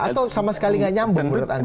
atau sama sekali nggak nyambung menurut anda